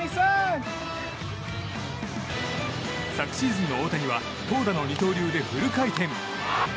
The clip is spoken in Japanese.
昨シーズンの大谷は投打の二刀流でフル回転。